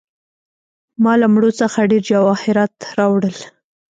ما له مړو څخه ډیر جواهرات راوړل.